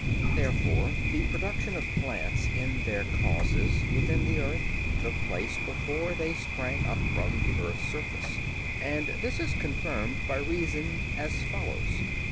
Therefore, the production of plants in their causes, within the earth, took place before they sprang up from the earth's surface. And this is confirmed by reason, as follows.